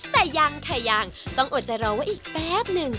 แต่ยังค่ะยังต้องอดใจรอไว้อีกแป๊บหนึ่ง